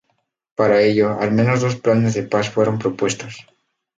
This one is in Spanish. Para ello, al menos dos planes de paz fueron propuestos.